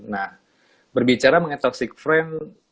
nah berbicara mengenai toxic friend